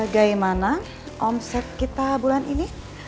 bagaimana omset kita bulan ini